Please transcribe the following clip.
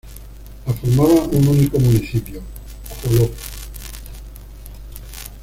La formaba un único municipio: Joló.